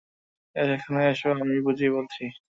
এখানে আসো, আমি বুঝিয়ে বলছি।